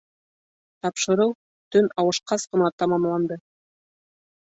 Тапшырыу төн ауышҡас ҡына тамамланды.